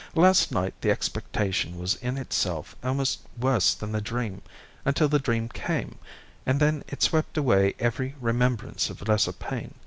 Last night the expectation was in itself almost worse than the dream—until the dream came, and then it swept away every remembrance of lesser pain.